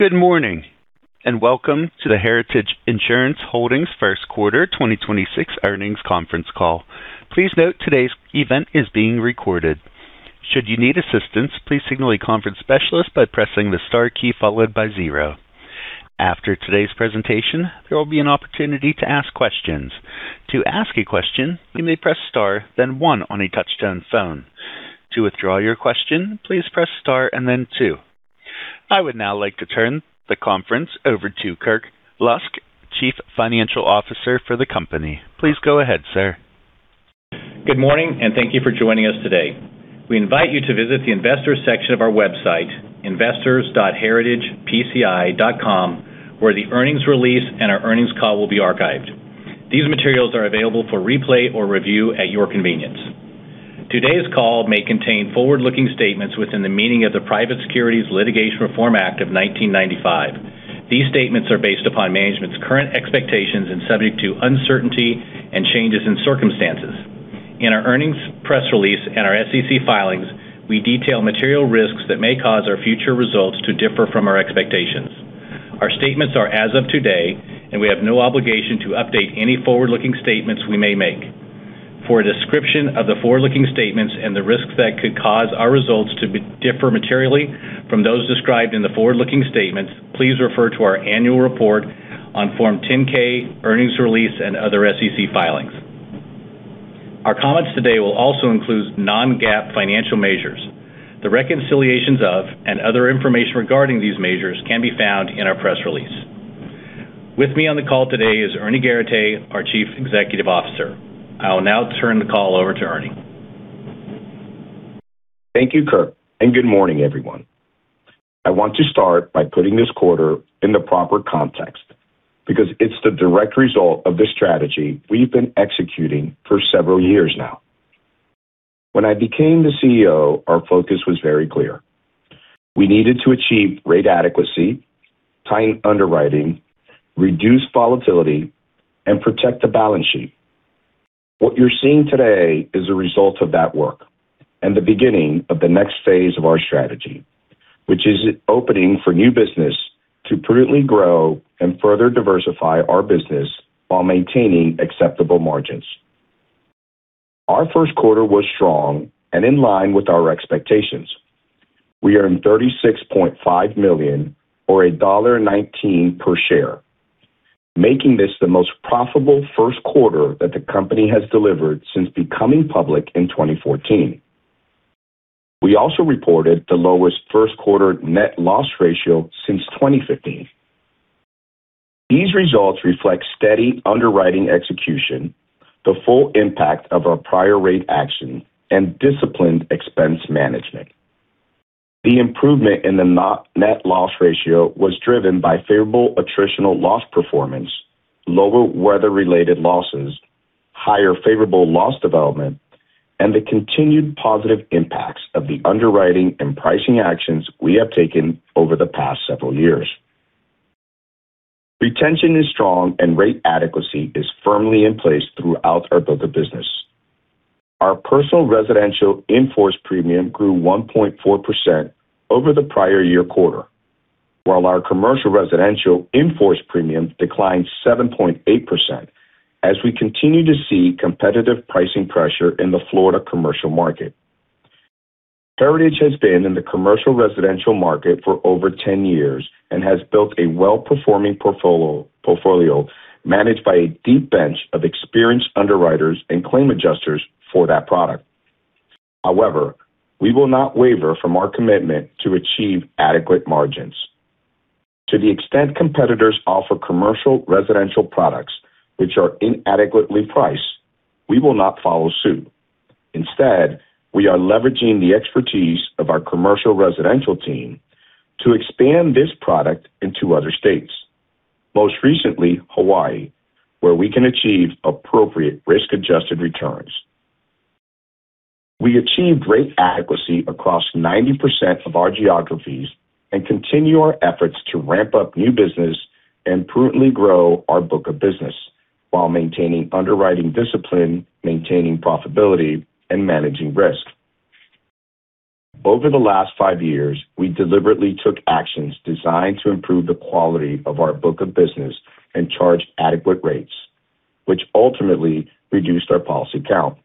Good morning, and welcome to the Heritage Insurance Holdings First Quarter 2026 earnings conference call. Please note today's event is being recorded. Should you need assistance, please signal a conference specialist by pressing the star key followed by zero. After today's presentation, there will be an opportunity to ask questions. To ask a question, you may press Star, then one on a touch-tone phone. To withdraw your question, please press Star and then two. I would now like to turn the conference over to Kirk Lusk, Chief Financial Officer for the company. Please go ahead, sir. Good morning, and thank you for joining us today. We invite you to visit the investors section of our website, investors.heritagepci.com, where the earnings release and our earnings call will be archived. These materials are available for replay or review at your convenience. Today's call may contain forward-looking statements within the meaning of the Private Securities Litigation Reform Act of 1995. These statements are based upon management's current expectations and subject to uncertainty and changes in circumstances. In our earnings press release and our SEC filings, we detail material risks that may cause our future results to differ from our expectations. Our statements are as of today, and we have no obligation to update any forward-looking statements we may make. For a description of the forward-looking statements and the risks that could cause our results to differ materially from those described in the forward-looking statements, please refer to our annual report on Form 10-K earnings release and other SEC filings. Our comments today will also include non-GAAP financial measures. The reconciliations of and other information regarding these measures can be found in our press release. With me on the call today is Ernie Garateix, our Chief Executive Officer. I'll now turn the call over to Ernie. Thank you, Kirk, and good morning, everyone. I want to start by putting this quarter in the proper context because it's the direct result of the strategy we've been executing for several years now. When I became the CEO, our focus was very clear. We needed to achieve rate adequacy, tight underwriting, reduce volatility, and protect the balance sheet. What you're seeing today is a result of that work and the beginning of the next phase of our strategy, which is opening for new business to prudently grow and further diversify our business while maintaining acceptable margins. Our first quarter was strong and in line with our expectations. We earned $36.5 million or $1.19 per share, making this the most profitable first quarter that the company has delivered since becoming public in 2014. We also reported the lowest first quarter net loss ratio since 2015. These results reflect steady underwriting execution, the full impact of our prior rate action, and disciplined expense management. The improvement in the net loss ratio was driven by favorable attritional loss performance, lower weather-related losses, higher favorable loss development, and the continued positive impacts of the underwriting and pricing actions we have taken over the past several years. Retention is strong, rate adequacy is firmly in place throughout our book of business. Our personal residential in-force premium grew 1.4% over the prior year quarter, while our commercial residential in-force premium declined 7.8% as we continue to see competitive pricing pressure in the Florida commercial market. Heritage has been in the commercial residential market for over 10 years and has built a well-performing portfolio managed by a deep bench of experienced underwriters and claim adjusters for that product. We will not waver from our commitment to achieve adequate margins. To the extent competitors offer commercial residential products which are inadequately priced, we will not follow suit. Instead, we are leveraging the expertise of our commercial residential team to expand this product into other states, most recently Hawaii, where we can achieve appropriate risk-adjusted returns. We achieved great adequacy across 90% of our geographies and continue our efforts to ramp up new business and prudently grow our book of business while maintaining underwriting discipline, maintaining profitability, and managing risk. Over the last five years, we deliberately took actions designed to improve the quality of our book of business and charge adequate rates, which ultimately reduced our policy count.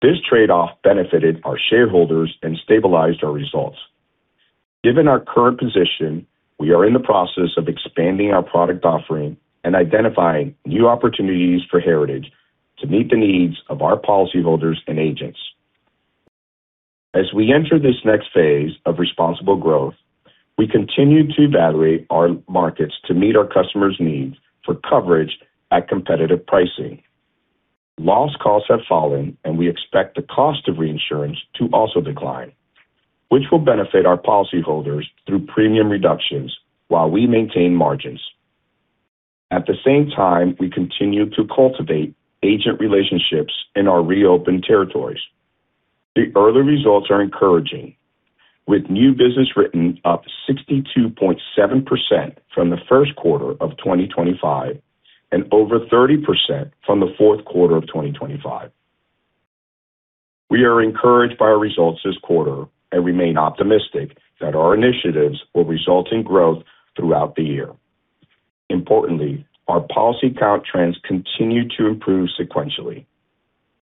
This trade-off benefited our shareholders and stabilized our results. Given our current position, we are in the process of expanding our product offering and identifying new opportunities for Heritage to meet the needs of our policyholders and agents. As we enter this next phase of responsible growth, we continue to evaluate our markets to meet our customers' needs for coverage at competitive pricing. Loss costs have fallen, and we expect the cost of reinsurance to also decline, which will benefit our policyholders through premium reductions while we maintain margins. At the same time, we continue to cultivate agent relationships in our reopened territories. The early results are encouraging, with new business written up 62.7% from the first quarter of 2025 and over 30% from the fourth quarter of 2025. We are encouraged by our results this quarter and remain optimistic that our initiatives will result in growth throughout the year. Importantly, our policy count trends continue to improve sequentially.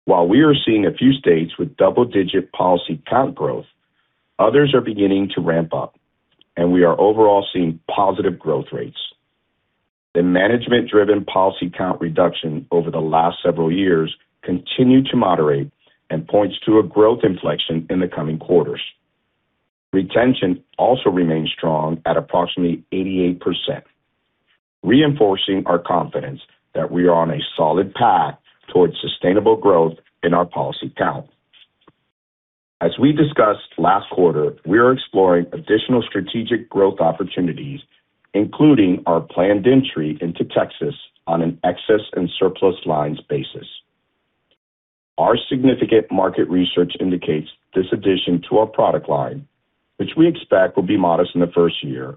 While we are seeing a few states with double-digit policy count growth, others are beginning to ramp up, and we are overall seeing positive growth rates. The management-driven policy count reduction over the last several years continue to moderate and points to a growth inflection in the coming quarters. Retention also remains strong at approximately 88%, reinforcing our confidence that we are on a solid path towards sustainable growth in our policy count. As we discussed last quarter, we are exploring additional strategic growth opportunities, including our planned entry into Texas on an excess and surplus lines basis. Our significant market research indicates this addition to our product line, which we expect will be modest in the first year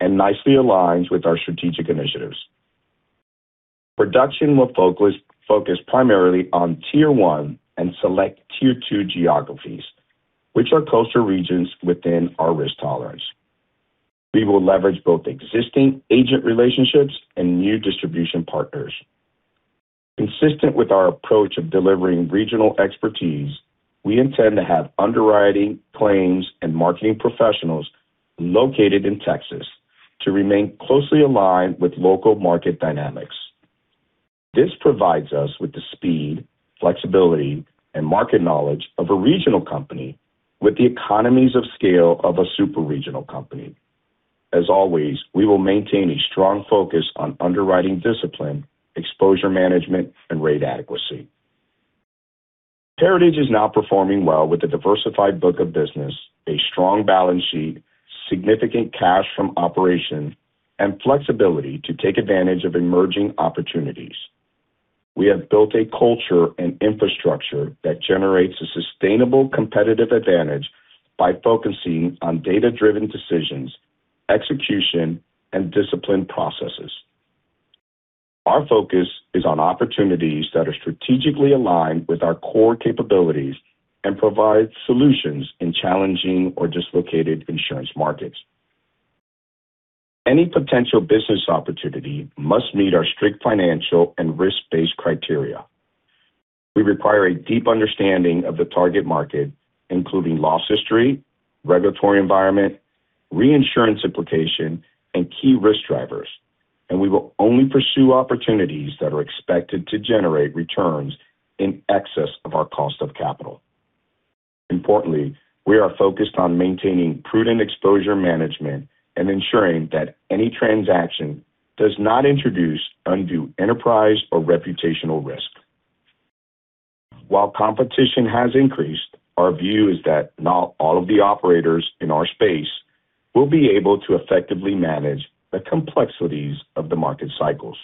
and nicely aligns with our strategic initiatives. Production will focus primarily on tier one and select tier two geographies, which are closer regions within our risk tolerance. We will leverage both existing agent relationships and new distribution partners. Consistent with our approach of delivering regional expertise, we intend to have underwriting, claims, and marketing professionals located in Texas to remain closely aligned with local market dynamics. This provides us with the speed, flexibility, and market knowledge of a regional company with the economies of scale of a super-regional company. As always, we will maintain a strong focus on underwriting discipline, exposure management, and rate adequacy. Heritage is now performing well with a diversified book of business, a strong balance sheet, significant cash from operations, and flexibility to take advantage of emerging opportunities. We have built a culture and infrastructure that generates a sustainable competitive advantage by focusing on data-driven decisions, execution, and disciplined processes. Our focus is on opportunities that are strategically aligned with our core capabilities and provide solutions in challenging or dislocated insurance markets. Any potential business opportunity must meet our strict financial and risk-based criteria. We require a deep understanding of the target market, including loss history, regulatory environment, reinsurance implication, and key risk drivers, and we will only pursue opportunities that are expected to generate returns in excess of our cost of capital. Importantly, we are focused on maintaining prudent exposure management and ensuring that any transaction does not introduce undue enterprise or reputational risk. While competition has increased, our view is that not all of the operators in our space will be able to effectively manage the complexities of the market cycles.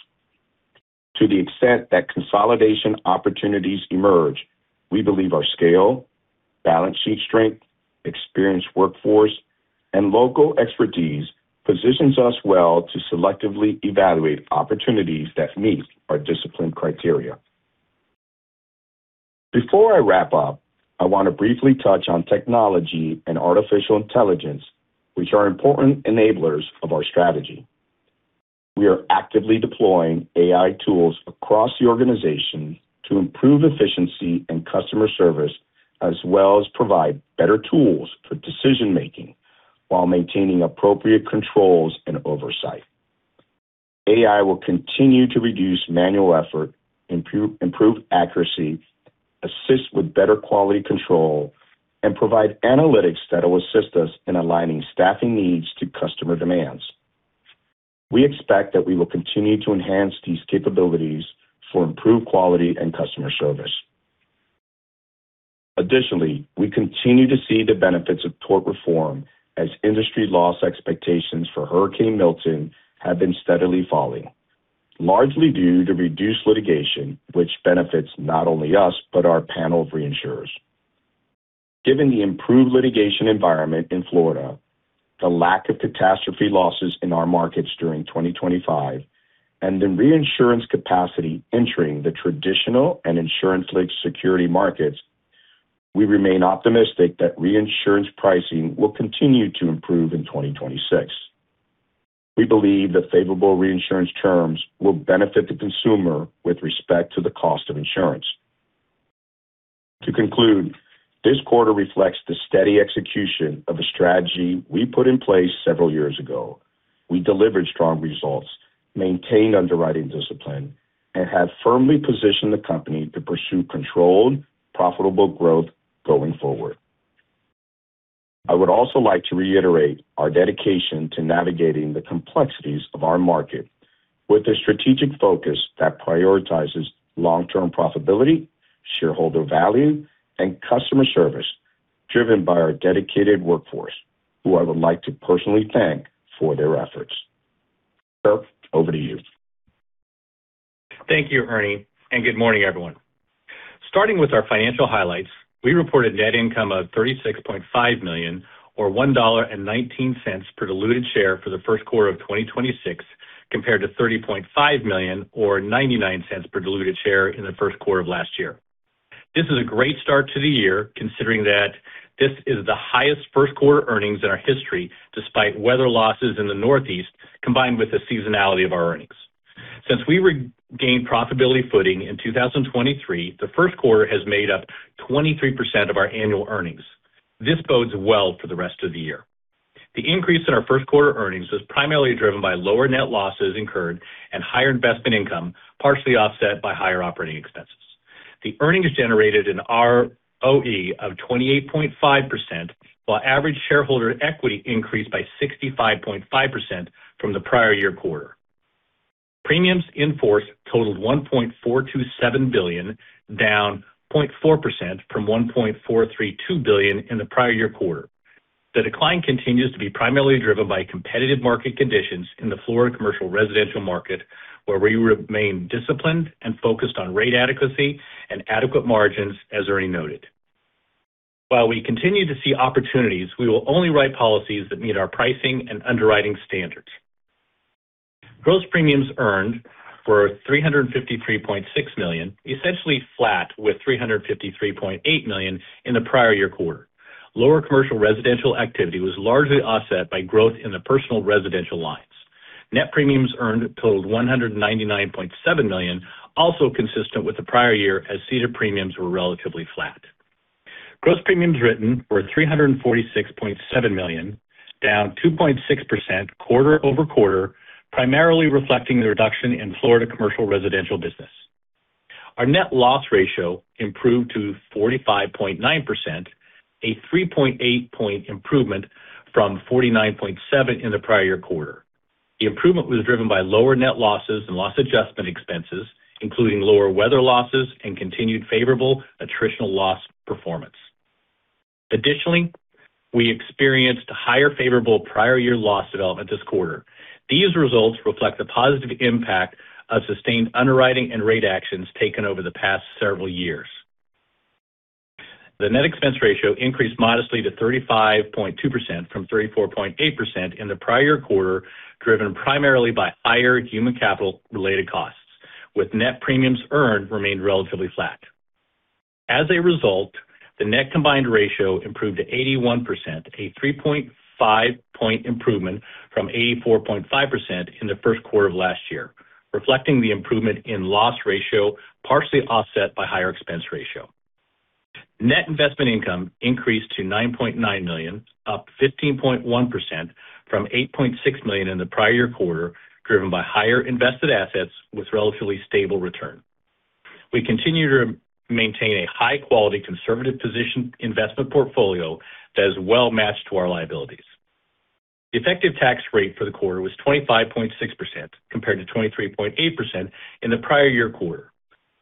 To the extent that consolidation opportunities emerge, we believe our scale, balance sheet strength, experienced workforce, and local expertise positions us well to selectively evaluate opportunities that meet our discipline criteria. Before I wrap up, I want to briefly touch on technology and artificial intelligence, which are important enablers of our strategy. We are actively deploying AI tools across the organization to improve efficiency and customer service, as well as provide better tools for decision-making while maintaining appropriate controls and oversight. AI will continue to reduce manual effort, improve accuracy, assist with better quality control, and provide analytics that will assist us in aligning staffing needs to customer demands. We expect that we will continue to enhance these capabilities for improved quality and customer service. Additionally, we continue to see the benefits of tort reform as industry loss expectations for Hurricane Ian have been steadily falling, largely due to reduced litigation, which benefits not only us but our panel of reinsurers. Given the improved litigation environment in Florida, the lack of catastrophe losses in our markets during 2025, and the reinsurance capacity entering the traditional and insurance security markets, we remain optimistic that reinsurance pricing will continue to improve in 2026. We believe that favorable reinsurance terms will benefit the consumer with respect to the cost of insurance. To conclude, this quarter reflects the steady execution of a strategy we put in place several years ago. We delivered strong results, maintained underwriting discipline, and have firmly positioned the company to pursue controlled, profitable growth going forward. I would also like to reiterate our dedication to navigating the complexities of our market with a strategic focus that prioritizes long-term profitability, shareholder value, and customer service driven by our dedicated workforce, who I would like to personally thank for their efforts. Sir, over to you. Thank you, Ernie, and good morning, everyone. Starting with our financial highlights, we reported net income of $36.5 million or $1.19 per diluted share for the first quarter of 2026. Compared to $30.5 million or $0.99 per diluted share in the first quarter of last year. This is a great start to the year considering that this is the highest first-quarter earnings in our history despite weather losses in the Northeast, combined with the seasonality of our earnings. Since we regained profitability footing in 2023, the first quarter has made up 23% of our annual earnings. This bodes well for the rest of the year. The increase in our first-quarter earnings was primarily driven by lower net losses incurred and higher investment income, partially offset by higher operating expenses. The earnings generated an ROE of 28.5%, while average shareholder equity increased by 65.5% from the prior year quarter. Premiums in force totaled $1.427 billion, down 0.4% from $1.432 billion in the prior year quarter. The decline continues to be primarily driven by competitive market conditions in the Florida commercial residential market, where we remain disciplined and focused on rate adequacy and adequate margins, as already noted. While we continue to see opportunities, we will only write policies that meet our pricing and underwriting standards. Gross premiums earned were $353.6 million, essentially flat with $353.8 million in the prior year quarter. Lower commercial residential activity was largely offset by growth in the personal residential lines. Net premiums earned totaled $199.7 million, also consistent with the prior year as ceded premiums were relatively flat. Gross premiums written were $346.7 million, down 2.6% quarter-over-quarter, primarily reflecting the reduction in Florida commercial residential business. Our net loss ratio improved to 45.9%, a 3.8 point improvement from 49.7% in the prior year quarter. The improvement was driven by lower net losses and loss adjustment expenses, including lower weather losses and continued favorable attritional loss performance. Additionally, we experienced higher favorable prior year loss development this quarter. These results reflect the positive impact of sustained underwriting and rate actions taken over the past several years. The net expense ratio increased modestly to 35.2% from 34.8% in the prior quarter, driven primarily by higher human capital related costs, with net premiums earned remained relatively flat. As a result, the net combined ratio improved to 81%, a 3.5 point improvement from 84.5% in the first quarter of last year, reflecting the improvement in loss ratio, partially offset by higher expense ratio. Net investment income increased to $9.9 million, up 15.1% from $8.6 million in the prior year quarter, driven by higher invested assets with relatively stable return. We continue to maintain a high-quality conservative position investment portfolio that is well-matched to our liabilities. The effective tax rate for the quarter was 25.6%, compared to 23.8% in the prior year quarter.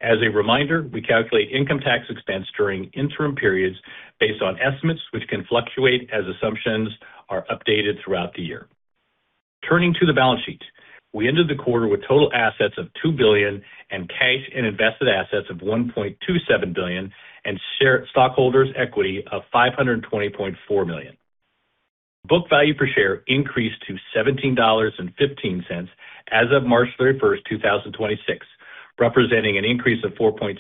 As a reminder, we calculate income tax expense during interim periods based on estimates which can fluctuate as assumptions are updated throughout the year. Turning to the balance sheet, we ended the quarter with total assets of $2 billion and cash and invested assets of $1.27 billion and stockholders' equity of $520.4 million. Book value per share increased to $17.15 as of 31 March, 2026, representing an increase of 4.6%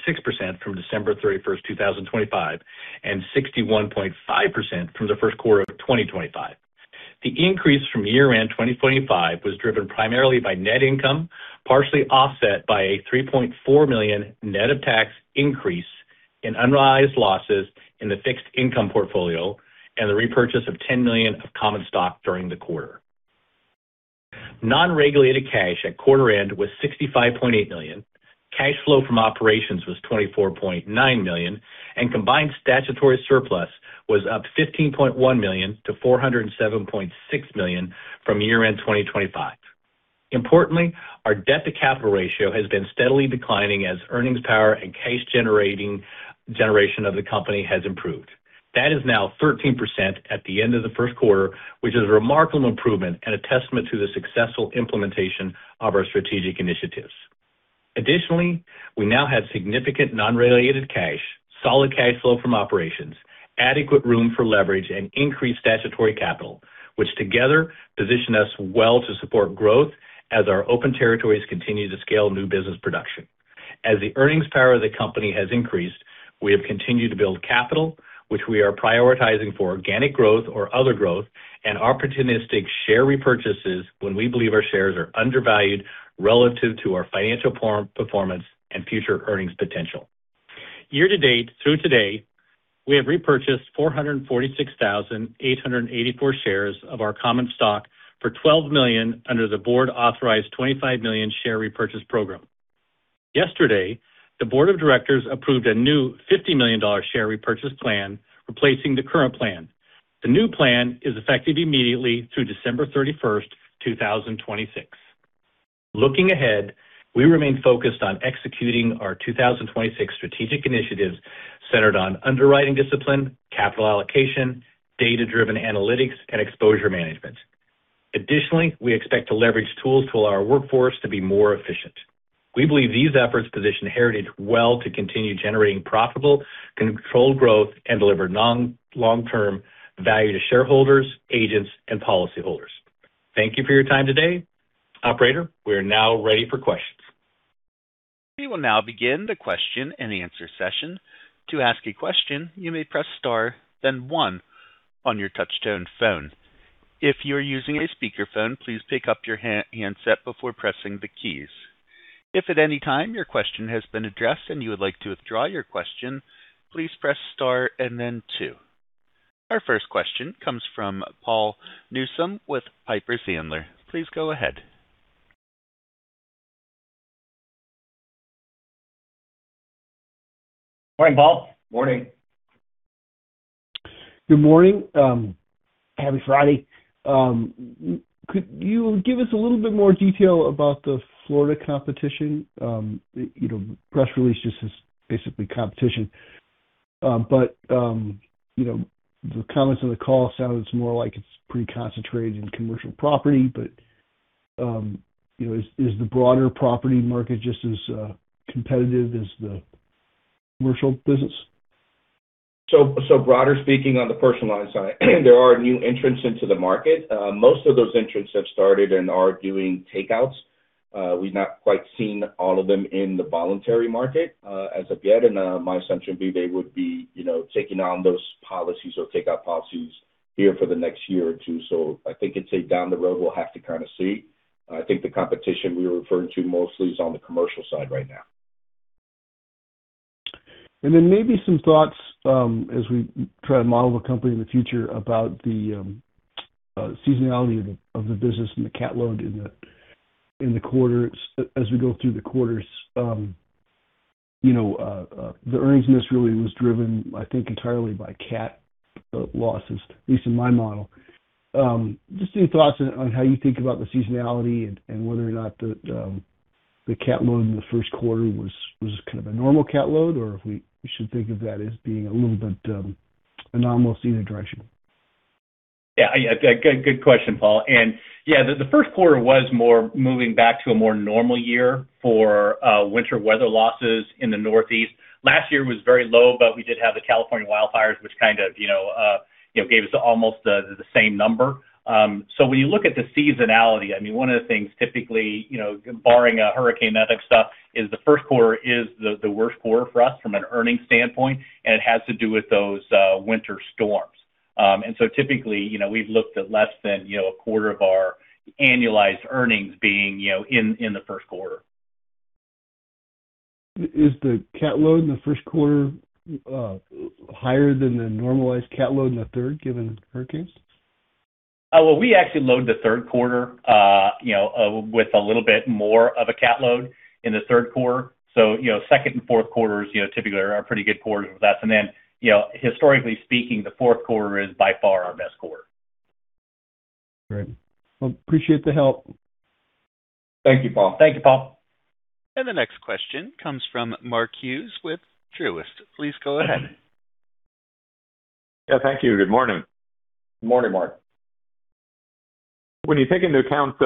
from 31 December, 2025, and 61.5% from the first quarter of 2025. The increase from year-end 2025 was driven primarily by net income, partially offset by a $3.4 million net of tax increase in unrealized losses in the fixed income portfolio and the repurchase of $10 million of common stock during the quarter. Non-regulated cash at quarter end was $65.8 million. Cash flow from operations was $24.9 million, and combined statutory surplus was up $15.1 million to $407.6 million from year-end 2025. Importantly, our debt to capital ratio has been steadily declining as earnings power and cash generation of the company has improved. That is now 13% at the end of the first quarter, which is a remarkable improvement and a testament to the successful implementation of our strategic initiatives. Additionally, we now have significant non-regulated cash, solid cash flow from operations, adequate room for leverage and increased statutory capital, which together position us well to support growth as our open territories continue to scale new business production. As the earnings power of the company has increased, we have continued to build capital, which we are prioritizing for organic growth or other growth and opportunistic share repurchases when we believe our shares are undervalued relative to our financial performance and future earnings potential. Year to date through today, we have repurchased 446,884 shares of our common stock for $12 million under the Board-authorized $25 million share repurchase program. Yesterday, the Board of Directors approved a new $50 million share repurchase plan, replacing the current plan. The new plan is effective immediately through December 31st, 2026. Looking ahead, we remain focused on executing our 2026 strategic initiatives centered on underwriting discipline, capital allocation, data-driven analytics, and exposure management. Additionally, we expect to leverage tools to allow our workforce to be more efficient. We believe these efforts position Heritage well to continue generating profitable controlled growth and deliver long-term value to shareholders, agents, and policyholders. Thank you for your time today. Operator, we are now ready for questions. Our first question comes from Paul Newsome with Piper Sandler. Please go ahead. Morning, Paul. Morning. Good morning. Happy Friday. Could you give us a little bit more detail about the Florida competition? You know, press release just says basically competition. But, you know, the comments on the call sounds more like it's pretty concentrated in commercial property, but, you know, is the broader property market just as competitive as the commercial business? Broader speaking on the personal line side, there are new entrants into the market. Most of those entrants have started and are doing takeouts. We've not quite seen all of them in the voluntary market as of yet. My assumption would be they would be, you know, taking on those policies or takeout policies here for the next year or 2. I think it's a down the road we'll have to kind of see. I think the competition we were referring to mostly is on the commercial side right now. Then maybe some thoughts, as we try to model the company in the future about the seasonality of the business and the cat load in the quarters, as we go through the quarters. You know, the earnings miss really was driven, I think, entirely by cat losses, at least in my model. Just any thoughts on how you think about the seasonality and whether or not the cat load in the first quarter was kind of a normal cat load or if we should think of that as being a little bit anomalous in a direction? Yeah, yeah. Good question, Paul. Yeah, the first quarter was more moving back to a more normal year for winter weather losses in the Northeast. Last year was very low, we did have the California wildfires which kind of, you know, gave us almost the same number. When you look at the seasonality, I mean, one of the things typically, you know, barring a hurricane and that type of stuff, is the first quarter is the worst quarter for us from an earnings standpoint, it has to do with those winter storms. Typically, you know, we've looked at less than, you know, a quarter of our annualized earnings being, you know, in the first quarter. Is the cat load in the first quarter, higher than the normalized cat load in the third, given hurricanes? Well, we actually load the third quarter, you know, with a little bit more of a cat load in the third quarter. You know, second and fourth quarters, you know, typically are pretty good quarters for that. You know, historically speaking, the fourth quarter is by far our best quarter. Great. Well, appreciate the help. Thank you, Paul. Thank you, Paul. The next question comes from Mark Hughes with Truist. Please go ahead. Yeah, thank you. Good morning. Good morning, Mark. When you take into account,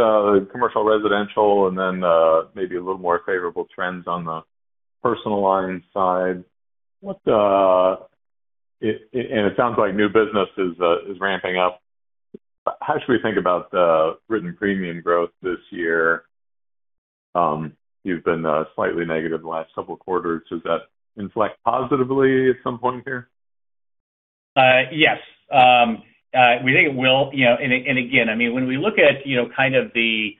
commercial residential and then, maybe a little more favorable trends on the personal line side, what it sounds like new business is ramping up. How should we think about written premium growth this year? You've been slightly negative the last couple quarters. Does that inflect positively at some point here? Yes. We think it will. And again, when we look at, kind of the,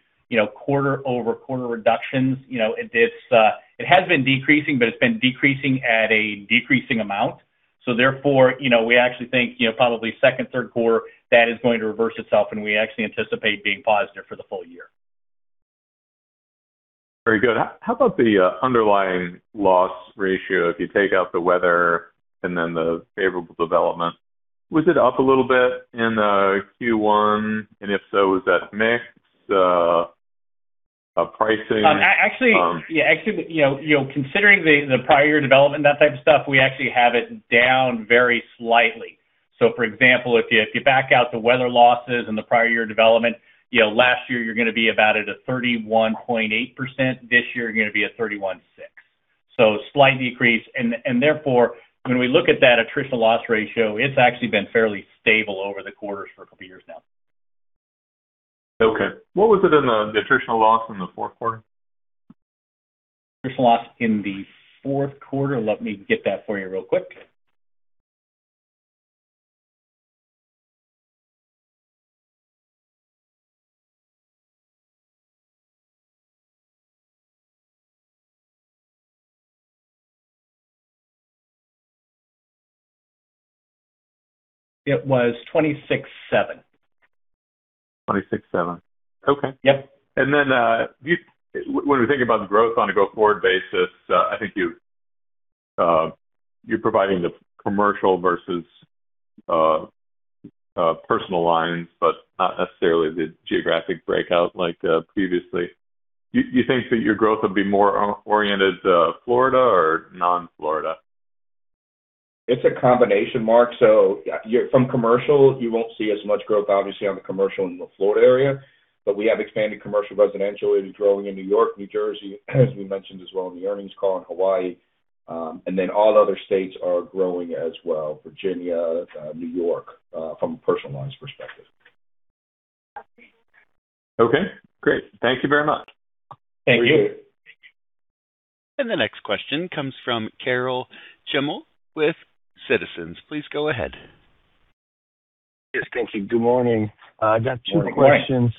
quarter-over-quarter reductions, it is, it has been decreasing, but it's been decreasing at a decreasing amount. Therefore, we actually think, probably second, third quarter, that is going to reverse itself and we actually anticipate being positive for the full year. Very good. How about the underlying loss ratio if you take out the weather and then the favorable development? Was it up a little bit in Q1? If so, was that mix, pricing? Actually, yeah, actually, you know, you know, considering the prior development and that type of stuff, we actually have it down very slightly. For example, if you, if you back out the weather losses and the prior year development, you know, last year you're gonna be about at a 31.8%. This year you're gonna be at 31.6%. Slight decrease, and therefore, when we look at that attritional loss ratio, it's actually been fairly stable over the quarters for a couple years now. Okay. What was it in the attritional loss in the fourth quarter? Attritional loss in the fourth quarter, let me get that for you real quick. It was $26.7. 26.7. Okay. Yep. When we think about the growth on a go-forward basis, I think you're providing the commercial versus personal lines, but not necessarily the geographic breakout like previously. You think that your growth would be more oriented to Florida or non-Florida? It's a combination, Mark. From commercial, you won't see as much growth, obviously, on the commercial in the Florida area. We have expanded commercial residentially to growing in New York, New Jersey, as we mentioned as well in the earnings call, in Hawaii. All other states are growing as well, Virginia, New York, from a personal lines perspective. Okay, great. Thank you very much. Thank you. Appreciate it. The next question comes from Karol Chmiel with Citizens. Please go ahead. Yes. Thank you. Good morning. Good morning. I got two questions.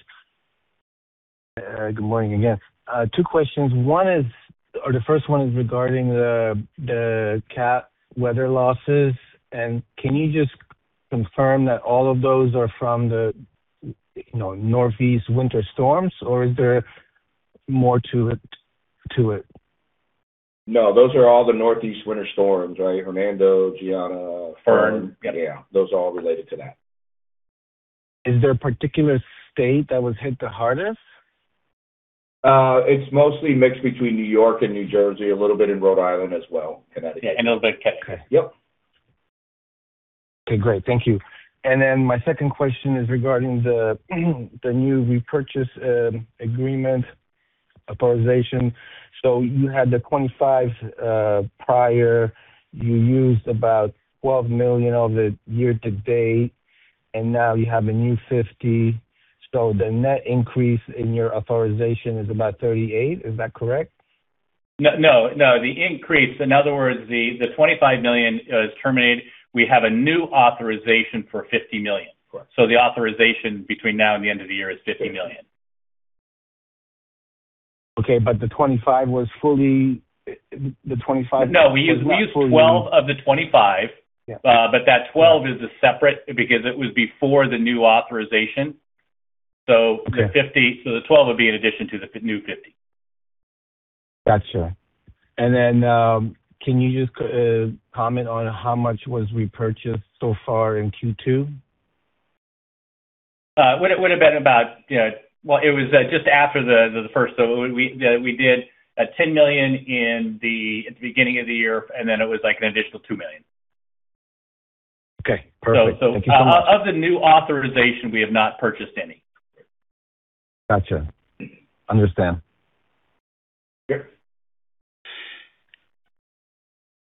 Good morning again. Two questions. The first one is regarding the cat weather losses. Can you just confirm that all of those are from the, you know, Northeast winter storms, or is there more to it? No, those are all the Northeast winter storms, right. uncertain. Fern. Yep. Yeah. Those are all related to that. Is there a particular state that was hit the hardest? It's mostly mixed between New York and New Jersey, a little bit in Rhode Island as well. Yeah, a little bit of Connecticut. Yep. Okay, great. Thank you. My second question is regarding the new repurchase agreement authorization. You had the 25 prior, you used about $12 million of it year to date, and now you have a new 50. The net increase in your authorization is about 38. Is that correct? No, no. The increase, in other words, the $25 million is terminated. We have a new authorization for $50 million. Correct. The authorization between now and the end of the year is $50 million. Okay. The 25 was fully. No. We used 12 of the 25. Yeah. That 12 is a separate because it was before the new authorization. Okay. The 12 would be in addition to the new 50. Gotcha. Can you just comment on how much was repurchased so far in Q2? It would have been about, you know Well, it was just after the first. We did $10 million in the beginning of the year, and then it was, like, an additional $2 million. Okay, perfect. Thank you so much. Of the new authorization, we have not purchased any. Gotcha. Understand. Sure.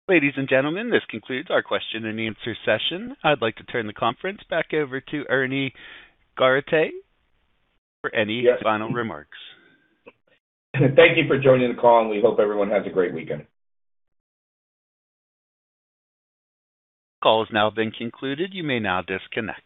Ladies and gentlemen, this concludes our question and answer session. I'd like to turn the conference back over to Ernie Garateix for any final remarks. Thank you for joining the call, and we hope everyone has a great weekend. Call has now been concluded. You may now disconnect.